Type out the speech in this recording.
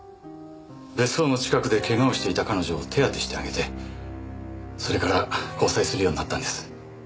別荘の近くでケガをしていた彼女を手当てしてあげてそれから交際するようになったんです。